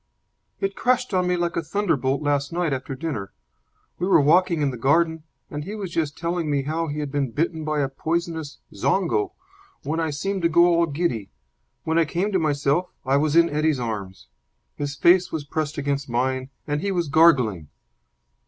"It crashed on me like a thunderbolt last night after dinner. We were walking in the garden, and he was just telling me how he had been bitten by a poisonous zongo, when I seemed to go all giddy. When I came to myself I was in Eddie's arms. His face was pressed against mine, and he was gargling."